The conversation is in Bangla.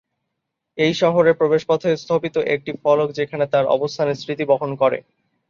এই শহরের প্রবেশপথে স্থাপিত একটি ফলক সেখানে তার অবস্থানের স্মৃতি বহন করে।